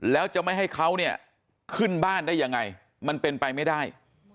แล้วจะไม่ให้เขาเนี่ยขึ้นบ้านได้ยังไงมันเป็นไปไม่ได้